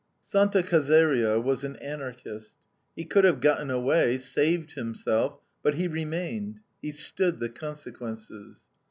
Santa Caserio was an Anarchist. He could have gotten away, saved himself; but he remained, he stood the consequences.